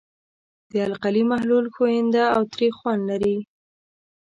د القلي محلول ښوینده او تریخ خوند لري.